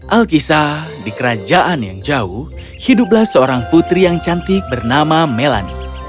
alkisah di kerajaan yang jauh hiduplah seorang putri yang cantik bernama melani